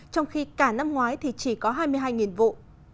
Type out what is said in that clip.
trong khi cả năm ngoái thì chỉ có hai mươi hai vụ